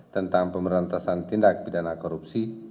tentang pemberantasan tindak pidana korupsi